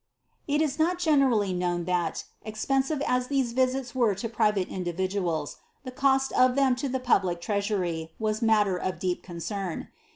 It is not generally known that, expensive as ihese visits were lo pri vate individuals, the cost of them to the public treasury was matter of deep concern.